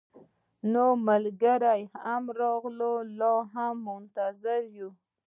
نور ملګري هم راغلل، خو لا هم منتظر يو